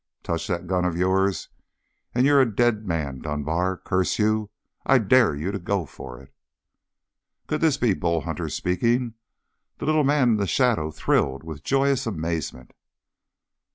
Touch that gun of yours, and you're a dead man, Dunbar. Curse you, I dare you to go for it!" Could this be Bull Hunter speaking? The little man in the shadow thrilled with joyous amazement.